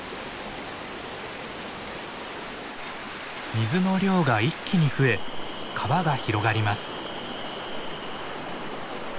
水の量が一気に増え川が広がります。